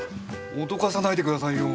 おどかさないでくださいよ。